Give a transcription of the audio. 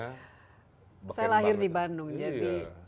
saya lahir di bandung jadi